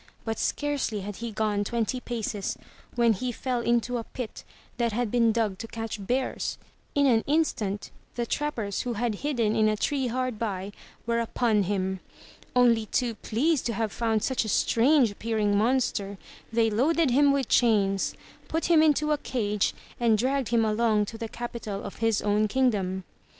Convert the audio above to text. But scarcely had he gone twenty paces when he fell into a pit that had been dug to catch bears. In an instant the trappers who had hidden in a tree hard by, were upon him. Only too pleased to have found such a strange appearing monster, they loaded him with chains, put him into a cage, and dragged him along to the capital of his own kingdom.